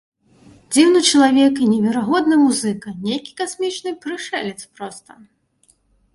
Дзіўны чалавек і неверагодны музыка, нейкі касмічны прышэлец проста!